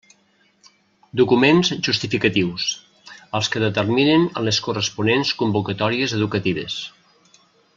Documents justificatius: els que determinin en les corresponents convocatòries educatives.